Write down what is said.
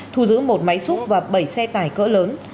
thu giữ một máy xúc và bảy xe tải cỡ lớn